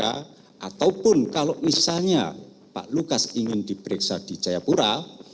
ataupun kalau misalnya pak lukas ingin diperiksa di jayapura